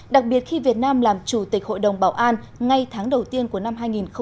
đặc biệt khi việt nam làm chủ tịch hội đồng bảo an ngay tháng đầu tiên của năm hai nghìn hai mươi